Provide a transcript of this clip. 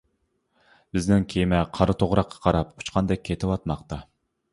بىزنىڭ كېمە قارا توغراققا قاراپ ئۇچقاندەك كېتىۋاتماقتا.